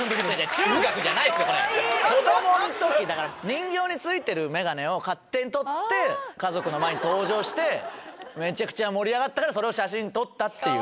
人形についてる眼鏡を勝手に取って家族の前に登場してめちゃくちゃ盛り上がったから写真に撮ったっていう。